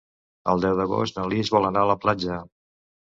El deu d'agost na Lis vol anar a la platja.